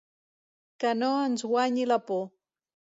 Que no ens guanyi la por.